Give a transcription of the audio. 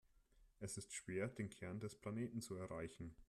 Es ist schwer, den Kern des Planeten zu erreichen.